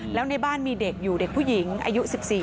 แล้วในบ้านมีเด็กอยู่เด็กผู้หญิงอายุ๑๔